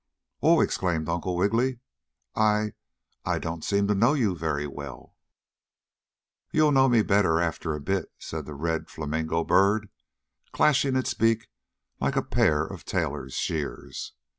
"Oh!" exclaimed Uncle Wiggily. "I I don't seem to know you very well." "You'll know me better after a bit," said the red flamingo bird, clashing its beak like a pair of tailor's shears.